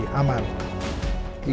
beri perhatian di belakang